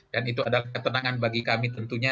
dan itu adalah ketenangan bagi kami tentunya